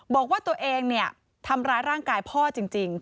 บอกว่าตัวเองทำร้ายร่างกายพ่อจริง